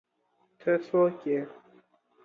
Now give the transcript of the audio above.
ته څوک ېې